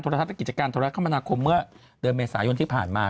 ธุรกิจการธุรกรรมนาคมเมื่อเดิมเมสายนที่ผ่านมา